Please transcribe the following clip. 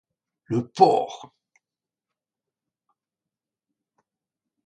Le porc!